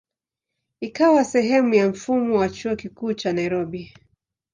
Ikawa sehemu ya mfumo wa Chuo Kikuu cha Nairobi.